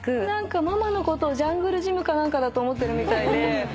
何かママのことをジャングルジムか何かだと思ってるみたい。